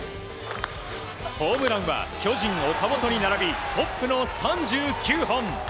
ホームランは巨人、岡本に並びトップの３９本。